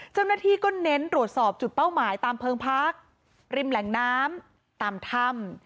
เจ้าหน้าที่ก็เน้นตรวจสอบจุดเป้าหมายตามเพิงพักริมแหล่งน้ำตามถ้ำ